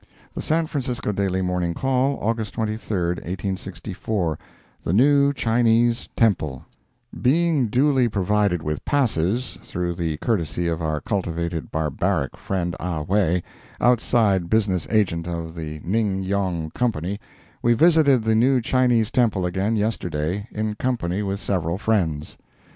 The San Francisco Daily Morning Call, August 23, 1864 THE NEW CHINESE TEMPLE Being duly provided with passes, through the courtesy of our cultivated barbaric friend, Ah Wae, outside business agent of the Ning Yong Company, we visited the new Chinese Temple again yesterday, in company with several friends.